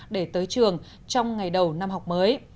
để tới trường trong ngày đầu năm học mới